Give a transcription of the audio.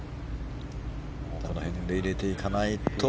この辺で入れていかないと。